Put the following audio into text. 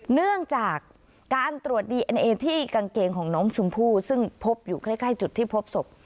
เนื่องจากการตรวจดีเอ็นเอที่กางเกงของน้องชมพู่ซึ่งพบอยู่ใกล้จุดที่พบศพ